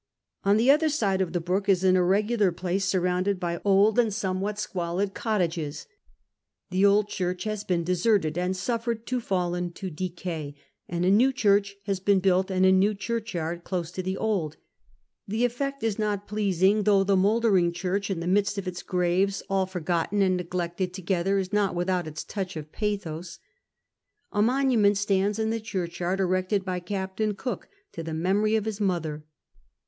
On the other side of the brook is an irregular Place, surrounded by old and somewhat squalid I GREAT AYTON 5 cottages. The old church has been deserted and suf fered to fall into decay, and a new church has been built and a new churchyaixl close to the old. The effect is not pleasing, though the mouldering church, in the midst of its graves, all forgotten and neglected together, is not without its touch of pathos. A monument stands in the churchyard erected by Captain Cook to the memory of his mother.